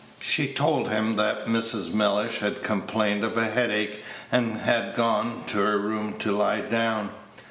She told him that Mrs. Mellish had complained of a headache, and had gone to her room to lie down.